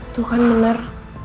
itu kan bener